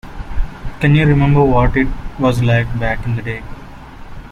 Can you remember what it was like back in the day?